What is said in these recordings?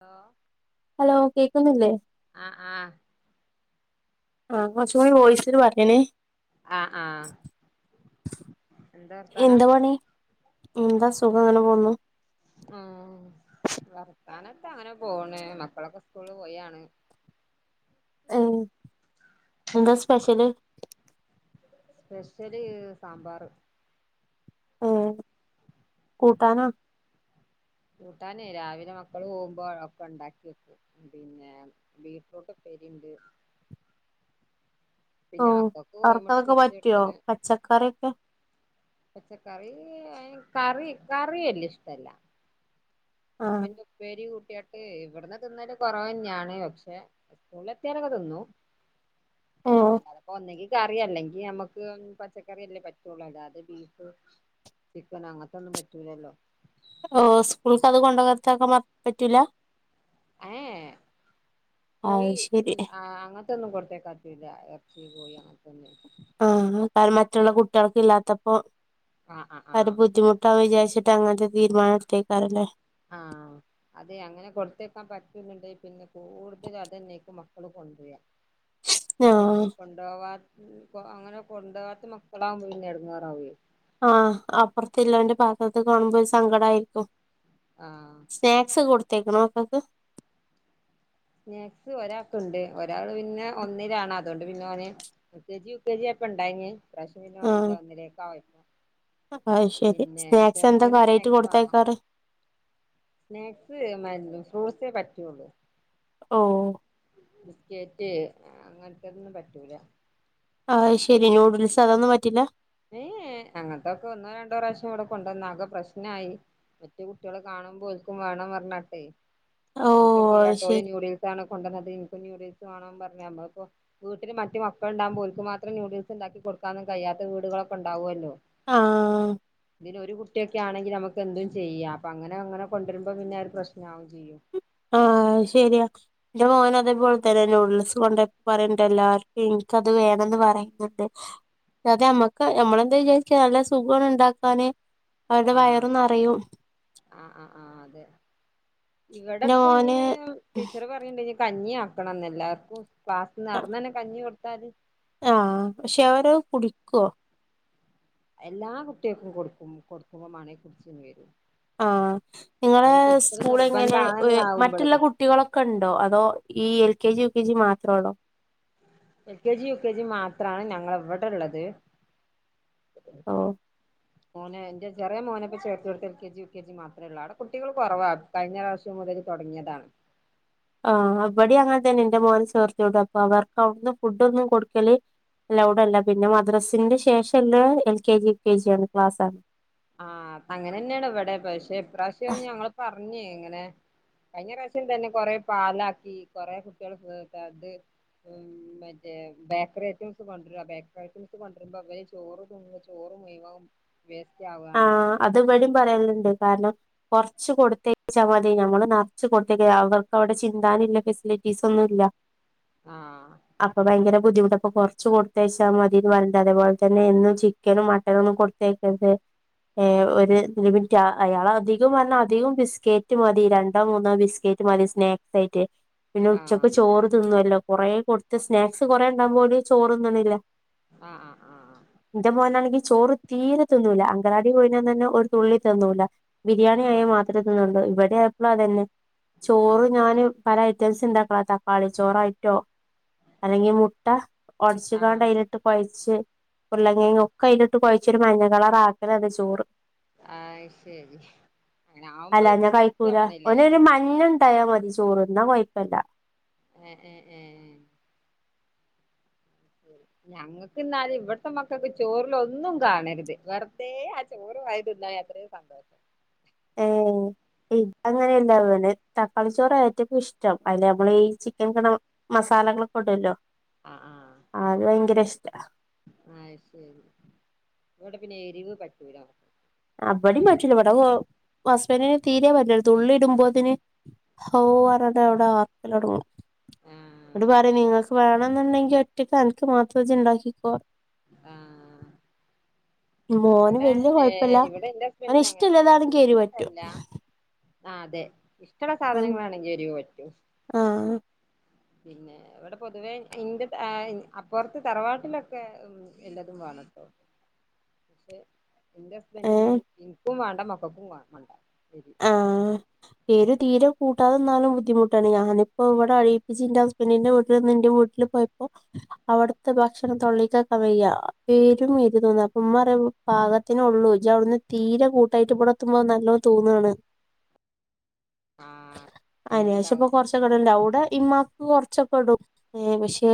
Hello hello കേക്കുന്നില്ലേ ആഹ് ആഹ് ആഹ് കൊറച്ചും കൂടി വോയിസില് പറ്യണെ ആഹ് ആഹ് എന്താ വർതാനം എന്താ സുഖം എങ്ങനെ പോവ്ന്നു. ആഹ് വർത്താനത്ത അങ്ങനെ പോണ്. മക്കളൊക്കെ സ്കൂള് പോയാണ്. ഉം എന്താ സ്പെഷ്യല് സ്പെഷ്യല് സാമ്പാർ ഏ കൂട്ടാനോ കൂട്ടാനെ രാവിലെ മക്കള് പോകുമ്പോ ഒക്കെ ഇണ്ടാക്കി വെക്കും പിന്നെ ബീട്ട്റൂട്ടും ഉപ്പേരി. ബീ [inaudible] ഓ അവർക്ക് കോഴിമുട്ട അതൊക്കെ പൊരിച്ച് പറ്റൊ കൊടുത്ത്ണ് പച്ചക്കറിയൊക്കെ പച്ചക്കറി കറി കറി വെല്ല്യ ഇഷ്ടല്ല ആഹ് പിന്നെ ഉപ്പേരി കൂ ട്ട്യാട്ട് ഇവട്ന്ന് തിന്നല് കാെറവെന്നാണ് പക്ഷെ സ്കൂളിലെത്തിയാലൊക്കെ തിന്നും ആഹ് അല്ലാതെപ്പോ ഒന്നങ്കി കറി അല്ലെങ്കി നമ്മക്ക് പച്ചക്കറി അല്ലേ പറ്റാെള്ളൂ അല്ലാതെ ബീഫ് ചിക്കന് അങ്ങത്താെന്നും പറ്റൂലല്ലോ ആഹ് സ്കൂൾക്ക് അത് കൊണ്ടകാത്താരണം പറ്റൂല ഏഹ്ഹേ അത് കോയി ശരി അങ്ങത്തൊന്നും കൊട്ത്തേക്കാൻ പറ്റൂല്ല ർച്ചീ കോയീ അങ്ങത്തൊന്നെ ആഹ് കാരം മറ്റുള്ള കുട്ട്യാൾക്ക് ഇല്ലാത്തപ്പോ ആ ആ ആ അത് ബുദ്ധിമുട്ടാവും വിചാരിച്ച് ട്ടഅങ്ങൻത്തെ തീര്മാനം ഇട്ത്തേക്കാരല്ലേ ആഹ് അതെ അങ്ങനെ കൊടുത്തേക്കാൻ പറ്റുന്നുണ്ട് പിന്നെ കൂടുതൽ അതന്നെയ്ക്കും മക്കള് കൊണ്ട് ണ്ട്ര്യാ അപ്പ പിന്നെ ആഹ് കൊണ്ടോവാ അങ്ങനെ കൊണ്ടാേവാത്ത മക്കളാവും പിന്നെ എടങ്ങാറാവേ ആഹ് അപ്പറത്ത്ല്ലോന്റെ പാത്രത്ത് കാണുമ്പോ ഒരു സങ്കടംആയിരിക്കും ആ സ്നാക്സ് കൊട്ത്തേക്കണോ മക്കക്ക് സ്നാക്സ് ഒരാൾക്ക്ണ്ട് ഒരാള് പിന്നെ ഒന്നിലാണ് അത് തോണ്ട് പിന്നെ ഓന് L K G U K G ആയപ്പണ്ടായിനിം ഇപ്രാവശ്യം പിന്നോന് ല്ല ഒന്നിലേക്കായി അഹ്ശരി സ്നാക്സ് എന്തൊ ചെറുതിന് കാര്യായ്ട്ട് സ്നാക്സ് വേണം കൊടുത്തയക്കാറ് സ്നാക്സ് മര്ന്നും ഫ്രൂട്ട്സേ പറ്റുള്ളൂ ഓഹ് ബിസ്കേറ്റ് അങ്ങൻതൊന്നും പറ്റൂല ആഹ്ശെരി ന്യൂഡിൽസ് അതൊന്നും പറ്റില്ല ഏഹ്ഹേ അങ്ങനതൊക്കെ ഒന്നോ രണ്ടോ പ്രാവശ്യം ഇവടെ കൊണ്ടന്നാകെ പ്രശ്നായി മറ്റേ കുട്ട്യാള് കാണുമ്പോ ഓൽക്കും വാണം പർഞ്ഞാണ്ടെ ഓ അത് ശരി [unintelligible] ന്യൂഡൽസ ആണ് കൊണ്ടന്നത്. ന്യൂഡിൽസ് വണം പറഞ് പ്പൊ വീട്ടില് മറ്റ് ക്കും ന്യൂഡില്സ് വാണം പർഞ്ഞ് നമ്മള്പ്പ വീട്ട്ല് മറ്റ് മക്കള് ണ്ടാകുംമ്പോ ഓല്ക്ക് മാത്രം ന്യൂഡിൽസ് ഇണ്ടാക്കി കൊടുക്കാനും കയ്യാത്ത ത് വീടുകളൊക്കെ ഉണ്ടാവോല്ലോ ആഹ് തില് ഒരു കുട്ടിയൊക്കെ ആണെങ്കി നമുക്ക് എന്തും ചെയ്യാം അപ്പൊ അങ്ങനെ അങ്ങനെ കൊണ്ടരുമ്പോ പിന്നെ ഒരു പ്രശനാവും ചെയ്യും ആഹ് ശരിയാ ന്റെ മോൻ അതേപോൽന്നെ നൂഡിൽസ് കൊണ്ട് പറിണ്ട് എല്ലാർക് ഇൻ നിക്കത് വേണന്ന് പറയുന്നുണ്ട്. അതെ നമ്മക്ക് നമ്മളെന്താ വിചാരിക നല്ല സുഖാണ്ണ്ടാക്കാന്. അവരുടെ ആഹ് വയറും നറയും. ആഹ് ആഹ് ആഹ് അതെ ഇവിടെ എന്റെ പ്പ ഞ് മോന് ടീച്ചർ പറയണ്ട് കഞ്ഞി ആക്കണം ന്ന് എല്ലാവർക്കും. പാസ് നടന്ന് തന്നെ കഞ്ഞി കൊടുത്താല്. ആ പക്ഷെ അവരാ കുടിക്കോ? എല്ലാ കുട്ടികൾക്കും കൊടുക്കും. കൊടുക്കുമ്പോ മണ കുടിച് വരും. ആ നിങ്ങളെ അത് കൊടുക്കല് സ്കൂളെങ്ങനെ നിർബന്ധാണെന്ന് ആവുമ്പളേ മറ്റുള്ള കുട്ടികളൊക്കെണ്ടോ? അതോ ഈ എൽ കേജി. യു, ക്കെജി. മാത്രളോ? എൽ, കെജി, യുകെജി, മാത്രാണ് ഞങ്ങളവടള്ളത്. ഓ മോനെന്റെ ചെറിയ മോനെപ്പ ചേർത്ത് കൊടുത്ത് എൽകെജി. U K G. മാത്രമ ഉള്ള അവി കുട്ടികൾ കുറവ. കഴിഞ്ഞ പ്രാവശ്യം മുതൽ തു തൊടങ്ങിയതാ. [inaudible] ആ ഇവടിം അങ്ങനെ തന്നെ ന്റെ മോൻ ചേർത്തിയോട്. അപ്പൊ അവർക്ക് അവിടുന്ന് ഫുഡൊന്നും കൊടുക്കല്. ലൗഡല്ല പിന്നെ മദ്രസിന്റെ ശേഷല്ലെ എൽകെജി, യുകെജി, ആണ് ക്ലാസണ്. ആഹ് അങ്ങനെന്നേണ് വ്ടെ പക്ഷെ ഇപ്രാവശ്യം ഞങ്ങള് പറഞ്. ഇങ്ങനെ കഴിഞ്ഞ പ്രാവശ്യം തന്നെ കൊറെ പാലാക്കി കൊറെ കുട്ട്യേൾക് മ് മറ്റേ ബേക്കറി ഐറ്റസ് കൊണ്ടരു ബേക്കറി. ഐറ്റംസ് കൊണ്ടരുമ്പോ. വര് ചോറ് തിന്നു ചോറ് [unintelligible] ആ അത് വടിം പറയല്ണ്ട് കാരണം. കുറച്ച് കൊടുത്തേച്ചാൽ മതി. ഞമ്മള് നറച്ച് കൊടുത്തേക്ക അവർക്ക് അവിടെ ചിന്താനില്ല. ഫെസിലിറ്റീസൊന്നുല്ല. ആഹ് അപ്പൊ ഭയങ്കര ബുദ്ധിമുട്ട അപ്പൊ കൊറച്ച് കൊടുത്തയച്ചാൽ മതിന്ന്. പറഞ്ഞണ്ട അത് പോലെ തന്നെ എന്നും ചിക്കനും, മട്ടനും, ഒന്നും കൊടുത്തേക്കര്ത്. ഏ ഒരു ലിമിറ്റ് അയാള അധികം വനൽ അധികം ബിസ്കറ്റ് മതി. രണ്ടോ, മൂന്നോ, ബിസ് ക്കേറ്റ് മതി സ്നാക്സ് ആയിട്ട്. പിന്നെ ആഹ് ഉച്ചക്ക് ചോറ് തിന്നുവല്ലോ കൊറേ കൊടുത്ത് സ്നാക്സ് കൊറേണ്ടാവുമ്പോല്. ചോറ്തിന്ന്ണില്ല. ആഹ് ആഹ് ന്റെ മോനാണെങ്കി ചോറ് തീരെ തിന്നുല്ല. അംഗനവാടി പോയിന്ന് തന്നെ ഒരു തുള്ളി തന്നൂല്ല. ബിരിയാണി ആയാൽ ആഹ് മാത്ര തിന്നുള്ളു. ഇവിടെയപ്പളും അതന്നെ. ചോറ് ആഹ് ആഹ് ഞാന് പല ഐറ്റംസ് ണ്ടാക്കളാ തക്കാളി ചോറായിറ്റോ? അല്ലെങ്കി മുട്ട ഒടച്ച്കാണ്ട് ആഹ് ഐല്ട്ട് കൊയച്ച്. ഉരുളൻ കിഴങ്ങ് ഒക്കെ അയിലിട്ട് കുഴച്ച്. മഞ്ഞ കളർ ആക്കലന്റെ ചോറ്. ആഹ് ശരി അങ്ങനെ ആവുമ്പോ ബുദ്ധിപ്പ് [unintelligible] ട്ടയാ മതി ചോറ് ന്ന കൊയപ്പല്ല ഏ ഏ ഏ [inaudible] ഞങ്ങൾക്ക് ന്നാല് ഇവിടത്തെ മക്കൾക്ക് ചോറിലൊന്നും കാണരുത്. വെറുതേ ആ ചോറ് വാരി തിന്നാ അത്രയും സന്തോഷം. ഏ ഇത് അങ്ങനെയല്ല പിന്നെ തക്കാളി ചോറ് ഏറ്റവും ഇഷ്ടം. അതി നമ്മള് ഈ ചിക്കൻ മസാലകളൊക്കെടുവല്ലോ? ആ ആ അ ശരി വ്ടെ പിന്നെ എരിവ് പറ്റൂല. അപടി പറ്റൂല ഇവടെ കോ ഹസ്ബൻഡന് തീരെേ പറ്റുല. തുള്ളി ഇടുമ്പോതിന്. ഹോ അർഞ്ഞ്ട്ട് അവിടെ ആർപ്പലൊട്ങ്ങും. ആഹ് നട് പറി നിങ്ങൾക്ക് വേണം ന്ന്ണ്ടെങ്കി. ഒറ്റക്ക് അൻക്ക് മാത്ര ജ് ണ്ടാക്കിക്കോ? ആ മോന് വല്ല്യ കുഴ ഇവിടെ എന്റെ ഹസ്ബൻഡ അങ്ങനെന്നേ. പറ്റും ൻക്ക്ഷ്ടല്ല. ആ അതെ ചില ആഹ് സാധനങ്ങളാണെങ്കി എരിവ് പറ്റും. ആഹ് പിന്നെ ഇവിടെ പൊതുവേ ഇന്റെ അപ്പുറത്തെ തറവാട്ടിലൊക്കെ എല്ലാതും വണം ണട്ടൊ [inaudible] പക്ഷെ എന്റെ ഏഹ് ഹസ്ബൻഡിനും എനിക്കും വേണ്ട മകൾക്കും വേണ്ട എരി ആ [unintelligible] തീരെ കൂട്ടാതെ നിന്നാലും ബുദ്ധിമുട്ടാണ് ഞാനിപ്പോ ഇവിടെ അടിപ്പിച് എന്റെ ഹസ്ബൻിന്റെറെ വീട്ടിൽ നിന്ന് ന്റെ വീട്ടിൽ പോയി അവിടെത്തെ ഭക്ഷണം തൊളെക്ക് വെക്കാൻ വയ്യ പേരും എരു തോന്ന അപ്പം ഇമ്മ പറയാ പക ത്തിള്ളൂ ഇജ്ജ് അവിടുന്ന് തീരെ കൂട്ടായിട്ട് ഇവിടെ എത്തുമ്പോ നല്ലോതോ ന്നാണ് ആഹ് അനേഷ ഇപ്പൊ അങ്ങനെണ്ടാവും കൊറച്ചക്കേ ഇടൽ അവിടെ ഇമ്മ- കുറച്ചൊക്കെ ഇടും ഏ പക്ഷെ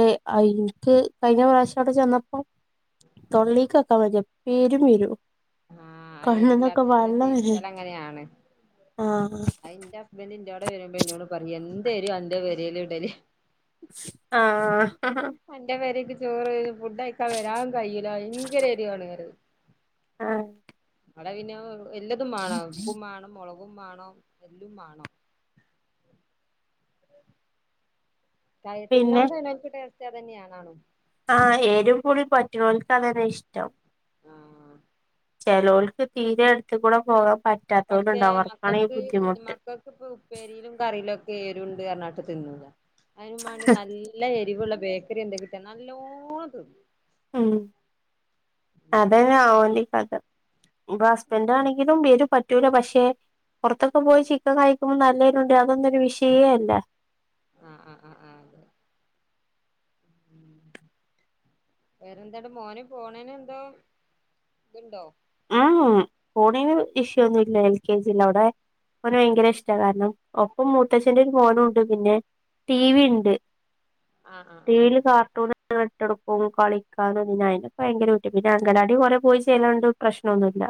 എനിക്ക് കഴിഞ്ഞ പ്രാവശ്യം അവിടെ ചെന്നപ്പോ തൊള്ളേക്കാൻ വജ്ജാ പേരു എരു ആഹ് കണ്ണിന്നൊക്കെ വള്ളം വേരെനി ആണ് അയ് ന്റെ ഹസ്ബൻ എന്റോ ന്റോടെ വരുമ്പോ എന്നോട് പറയും എന്തരു അന്റോടെ ഇടൽ ആ അന്റെ പെരേക്ക് ചോറ് ഫുഡ് അയക്കാൻ വരാൻ കയ്യുല്ല ഭയങ്കര എരിവാണ് പറയും ആ അവിടെ പിന്നെ എല്ലതും മാണം ഉപ്പും മാണം മുളക് മണം എല്ലും വേണം [unintelligible] തിന്നാൻ കയ്യൂനോല്ക്ക് ടേസ്റ്റ് അതന്നെ അണും ആ എരും പുളി പറ്റോൽക്ക് അതന്നെ ഇഷ്ടം ആ ചേലോൽക്ക് തീരെ എടുത്തകൂടെ പോകാം പക്ഷേ മക്കൾക്ക് മക്കൾക്ക് ഇപ്പം ഉപ്പേരിയിലും കറിയിലും രുവുണ്ട് പറഞണ്ട് തിന്നുല്ല അതിന് വേണ്ടി നല്ല എരിവുള്ള ബേക്കറി എന്ത കിട്ടാ നല്ലോണം തിന്നും മ് തിന്നും അതന്നെ ഓലെ കഥ ഇപ്പൊ ഹസ്ബൻഡ് ആഹ് ആണെങ്കിലും എരു പറ്റൂല പക്ഷെ പുറത്തൊക്കെ പോയി ചിക്കൻ കഴിക്കുമ്പോൾ നല്ലേ എരു അതൊന്നൊരു വിഷയേ അല്ല ആ ആ ആ ആ [unintelligible] വേറെന്താടെ മോന പോണേന എന്തോ തുണ്ടോ മ് പൊണെന്ന് ഇഷ്യൂ ഒന്നും ഇല്ല എൽ കെ ജിൽ അവിടെ മോന് ഭയങ്കര ഇഷ്ടാ കാരണം ഒപ്പം മൂത്തച്ഛന്റെ ഒരു മോനുണ്ട് പിന്നെ ടി വി ഉണ്ട് ആഹ് ആഹ് ആഹ് ടിവിൽ കാർട്ടൂൺ ഇട്ടകൊടുക്കും കളിക്കാനും അതിനൊക്കെ ഭയങ്കരട്ട പിന്നെ അങ്കൽവാടി കൊറെ പോയി ചെയ്യലണ്ട് പ്രശ്നൊന്നുല്ല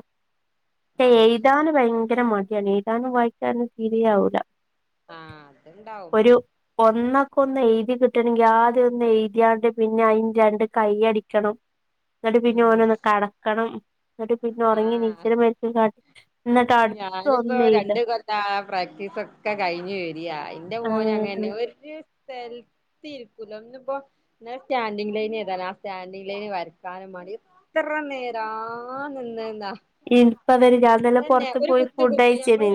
ഇപ്പൊ ആഹ് അത് ശരി എഴുതാന് ഭയങ്കര മ ഏതാനും വായിക്കാനും തീരെ യാവൂല്ല ആ അത്ണ്ടാവും ഒന്നൊക്കെ ഒന്ന് എഴുതി കിട്ടണമെങ്കിൽ ആദ്യം ഒന്ന് എഴുതിയാണ്ട് പിന്നെ അയിന് രണ്ട് കൈ അടിക്കണം എന്നിട്ട് പിന്നെ ഉം ഓനോന്ന് കടക്കണം എന്നിട്ട് പിന്നെ ഉറങ്ങി ആഹ് നിച്ന്നമാതിരി കാട്ടി എന്നിട്ട് അടുത്ത ഞാനിപ്പോ ഒന്ന് എഴുത രണ്ട് കൊല്ല പ്രാക്ടീസ് ഒക്കെ കഴിഞ്ഞഞ് വരിയാ എന്റെ മോന അങ്ങനെ ആഹ് [unintelligible] നിലത്തിരിക്കുലഇന്ന് ഇപ്പം സ്റ്റാൻഡിങ് ലൈൻ ഏതാണ് ആ സ്റ്റാൻഡിങ് ലൈൻ വരക്കാനും അ എത്ര നേരാ നിന്നെന്ന [unintelligible] തന്നെ ഒരു പോയി കുത്ത് ഫുഡ് കുത്ത് ഞമ്മൾ കഴിച്ചേന്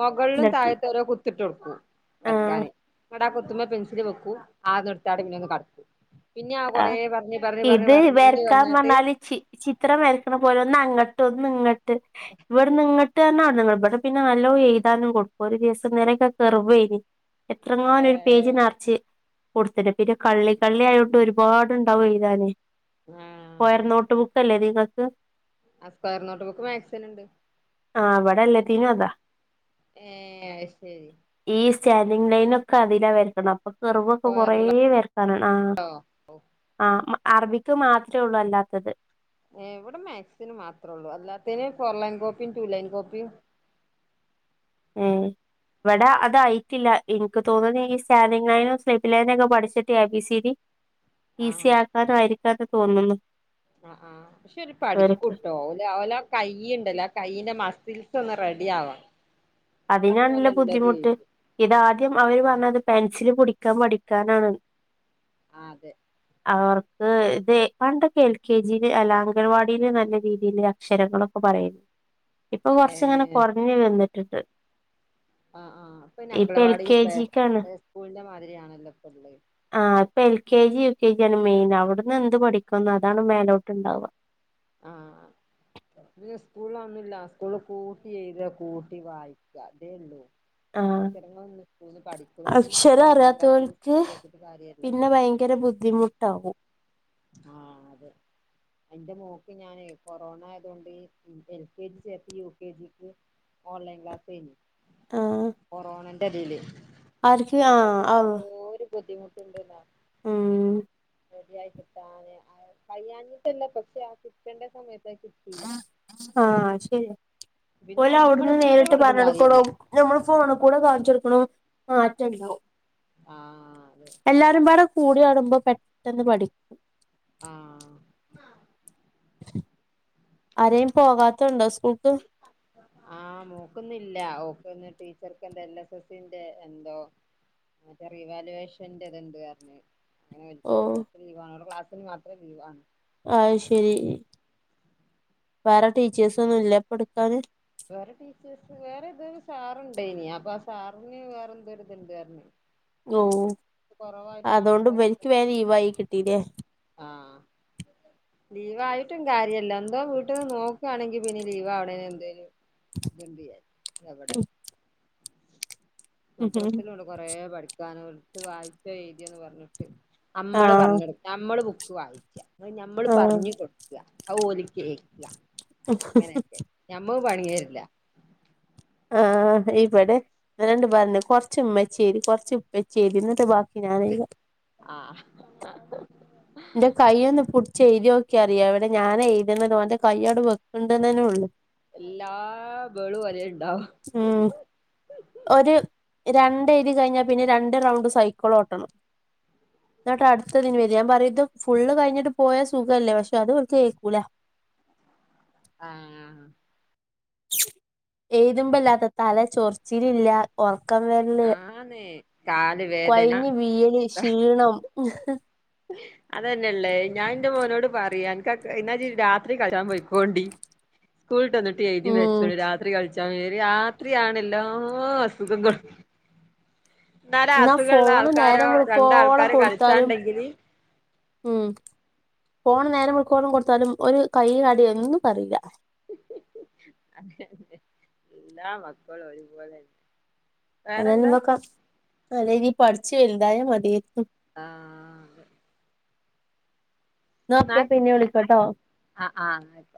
മുകളിലും എന്നിട്ട് താഴത്ത രോ കുത്തിട്ടടുക്കും വരക്കാൻ ആഹ് എങ്ങാട്ട് ആ കുത്തുമ്പോ പെൻസില് വെക്കൂ ആന്നടുത്തടെ പിന്നെ ഒന്ന് കടക്കൂ ആ ഇത് വരക്കാ വന്നിട്ട് പറഞ്ഞാല് ചി ചിത്രം വരക്കണ പോലെ ഒന്ന് അങ്ങട്ട് ഇങ്ങോട്ട് ഇവിടെന്ന് ഇങ്ങിട്ട് തന്ന നി ഇവിടെ പിന്നെ നല്ലോ എഴുതാനും കൊടുക്കും ഒരു ദിവസം തന്നെ [unintelligible] എത്രങ്ങാന ഒരു പേജ് ഏഹ് നിറച്ച് കൊടുത്തിണ്ട് പിന്നെ കള്ളി കള്ളി ആയോണ്ടൊരു ഒരുപാടുണ്ടാവും എഴുതാനെ ആഹ് സ്‌ക്വയർ നോട്ട് ബുക്ക് അല്ലേ നിങ്ങൾക്ക്. ആ സ്ക്വയർ നോട്ട് ബുക്ക് മാത് സിൻ ഉണ്ട്. ആഹ് ഇവടെ എല്ലത്തീനും അതാ. ഏ അത് ശരി. ഈ സ്റ്റാൻഡിങ് ലൈൻ ഒക്കെ അതില വരക്ക്ണത് അപ്പൊ കെർവൊക്കെ കൊറേ വരക്കാന ആ ഓ ആ അറബിക്ക് മാത്രമേ ഉള്ളൂ അല്ലാത്തത്. ഏ ഇവിടെ മാത് സിന് മാത്രള്ളൂ അല്ലാത്തന് ഫോർ ലൈൻ കോപ്പിയും റ്റുലൈൻ കോപ്പിയും. ഉം ഇവിടെ അതായിട്ടില്ല ഇൻക്ക് തോന്നുന്നു ഈ സാനിങ്ങായനും സ്ലിപ്പിലായനും ഒക്കെ പഠിച്ചിട്ട് A B C D easy ആക്കാന ആയിരിക്കാന്ന് തോന്നുന്നു ആ ആ പക്ഷെ ഓര് അവർക്ക് പഠിക്കൂട്ടോ ഓല് ഓല കയുണ്ടല്ലോ കയയിന്റെമ.. ഫിൽസ ഒന്ന് റെഡി ആവണം. എന്നാ പിന്നെ ഓല് അതിനാണല്ലോ എല്ലതും ബുദ്ധിമുട്ട് എഴുതും ഇതാദ്യം അവര് പറഞ്ഞത് പെൻസില് പുടി കം മടിക്കാനാണ്. ആ അതെ. അവർക്ക് ഇത് പണ്ടൊക്കെ എൽ കെ ജി അല്ല അങ്കൽവാടിന് നല്ല രീതിൽ അക്ഷരങ്ങളൊക്കെ. പറയും ഇപ്പ ഏ കൊറച്ചിങ്ങനെ കൊറഞ് വന്നിട്ടിണ്ട് ആ ആഹ് അപ്പങ്ങനെ എൽ അംഗലവാടി കെ പ്ലേ ജിക്കാണ് സ്കൂളിന്റെ മാതിരിയാണല്ലോ പ്പള്ളത്. ആ ഇപ്പൊ L K G U K G ആണ് മെയിൻ അവിടുന്ന് എന്ത് പഠിക്കുന്ന് അതാണ് മേലോട്ട്ണ്ടാവ ആ പിന്നെ സ്കൂൾല് അതൊന്നൂല്ല സ്കൂള് കൂട്ടി എയ്ത കൂട്ടി വായിക്ക അതേ ള്ളൂ. അക്ഷരങ്ങൾ ഒന്നും സ്കൂൾന്ന് പഠിക്കൂല നമ്മള് മക്കളെ അക്ഷരം ഒന്നാം ക്ലാസ്ല് സ്കൂൾല് ചേർത്തിട്ട് കാര്യല്ല. ഭയങ്കരബുദ്ധിമുട്ട് ആകും. ആ അതെ എന്റെ മോൾക്ക് ഞാന് കൊറോണ ആയത്കൊണ്ട് എൽ കെ ജി ചേർത്ത് യു കെ ജിക്ക് ഓൺലൈൻ ക്ലാസയ്നിം കൊറോണന്റെ തില്. ആര്ക്ക് ആ [unintelligible] ബുദ്ധിമുട്ടുണ്ട്ന്നോ. ഊം റെഡി ആയി കിട്ടാന് കയാഞ്ഞിട്ടല്ല പക്ഷെ ആ കിട്ടേണ്ട സമയത്ത് അത് കിട്ടിയില്ല ആ അത് ശരിയാ പിന്നെ ഓല് നമ്മള് അവിടുന്ന് എത്ര നേരിട്ട് പറഞ്ഞിട്ടും കാര്യല്ല പറഞ്ഞെടുക്കണം നമ്മള് ഫോണ് കൂടെ കാണിച്ചൊടുക്ക ണുംമാറ്റം ഉണ്ടാവും. ആ അതെ കൂടി ആടുമ്പോ പെട്ടെന്ന് പഠിക്കും. ആ ആരേലും പോകാത്തണ്ടോ സ് ആ മോൾക്ക്ന്നില്ല ഓ അപ്പന്ന് ടീച്ചർക്ക് എന്താ എൽ എസ് എസ്സിന്റെ എന്തോ മറ്റേ റീവാലുവേഷന്റെ ഇത്ണ്ട് അർഞ് ഓ ഇന്ന് മാത്രം ലീവാണ് ആത്ശരി വേറെ ടീച്ചേഴ്സൊന്നും ഇല്ലെ അപൊടുക്കാാന്. സാറുണ്ടായിനി അപ്പൊ ആ സാറിന് വേറെ എന്തോ ഇരുതുണ്ട്ന്ന് പറഞ്ഞു. ഒ അതുകൊണ്ട് ഇവർക്ക് വേം ലീവായി കിട്ടീല്ലേ. ആഹ് ലീവായിട്ടും കാര്യല്ല എന്തോ വീട്ടിൽന്ന് നോക്കുവാണെങ്കി പിന്നെ ലീവ് ആവണേന് എന്തേലും ഇതുണ്ട [unintelligible] എവടെ മദ്രസിലൂടെ കൊറേ പഠിക്കാൻ ഓൽക്ക് വായിച്ച് എഴുതി പറഞ്ഞിട്ട്. അമ്മള് ആഹ് പറഞ്ണ് നമ്മള് ബുക്ക് വായിക്ക ഞമ്മള് ആഹ് പറഞ്ഞു കൊട്ക്ക ഔ ഓലി കേക്കാ ഇങ്ങനെയൊക്കെ ഞമ്മക്ക് പണിയരില്ലാ ആ ഇബടെ രണ്ട് പറഞ്ഞ് കൊറച്ച ഉമ്മച്ചേരി കുറച്ച് ഉപ്പച്ചേരി എന്നിട്ട് ബാക്കി ഞാനില്ല ആഹ് ഇന്റെ കയ്യൊന്ന് പുടിച്ചേഴ്തിനോക്കിയാൽ അറിയാം ഇവിടെ ഞാനാ എഴുതുന്നത് ഓൻ്റെ കയ്യട് വെക്കുണ്ടന്നന്നെ ഉള്ളു എല്ലാ വേളും ഓലെ ഇണ്ടാവൂ ഉം ഒരു രണ്ടേരുതി കഴിഞ്ഞാൽ പിന്നെ രണ്ട് റൗണ്ട് സൈക്കിളോട്ടണം എന്നട്ടാ അടുത്തതിന് വെരാ ഞാൻ പറയും ഇത് ഫുള്ള് കഴിഞ്ഞിട്ട് പോയ സുഖല്ലേ പക്ഷെ അത് ഇവിടുത്തെ കേക്കൂല [inaudible] ആ ആ എഴുതുമ്പല്ലാത്ത തല ചൊർച്ചിലില്ലാ ഒറക്കം വെരൽ ആന്ന് കാല് വേദന കൊയഞ്ഞ് വീയല് ക്ഷീണം അതന്നെയല്ലേ ഞാൻ എൻ്റെ മോനോട് പറയും അനക്ക് എന്നാ രാത്രി കളിക്ക പൊയ്ക്കൊണ്ടി സ്കൂളിട്ട് വന്നുട്ടി എഴുതി ഉം വെച്ചോളി രാത്രി കളിച്ചു ചെലര് രാത്രിയാണെല്ലാ അസുഖങ്ങളും ഇന്നാലു എന്നാ അസുഖള്ള ഫോണ് ആൾക്കാരോ നേരം വെളുക്കോളം രണ്ടാൾക്കാരോ കൊടുത്താലും കളിച്ചാണ്ടെങ്കില് ഉം പോണ് നേരം വെളുക്കോളം കൊടുത്താലും ഒരു കൈ കടി എന്നൊന്നും പറയൂല അതെയതെ എല്ലാ മക്കളും ഒരുപോലെന്നെ വേറെന്താ അതെനെനോക്കാ നല്ലരീതി പഠിച്ചു വലുതായ മതിയാരുന്നു ആഹ് എന്നാ ന്നാ ഓക്കെ പിന്നെ വിളിക്കട്ടോ ആഹ് ആഹ് ന്നാ ആയിക്കോട്ടെ